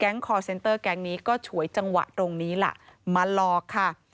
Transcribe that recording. คอร์เซ็นเตอร์แก๊งนี้ก็ฉวยจังหวะตรงนี้ล่ะมาหลอกค่ะ